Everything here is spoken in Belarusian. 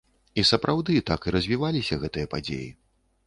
І сапраўды, так і развіваліся гэтыя падзеі.